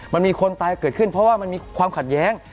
มันมีคนตายเกิดขึ้นเพราะว่ามันมีความขัดแย้ง